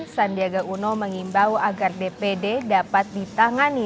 sandiaga uno mengimbau agar dpd dapat ditangani